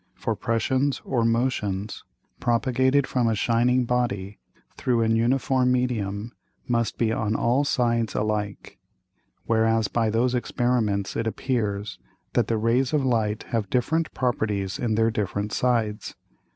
For Pressions or Motions, propagated from a shining Body through an uniform Medium, must be on all sides alike; whereas by those Experiments it appears, that the Rays of Light have different Properties in their different Sides.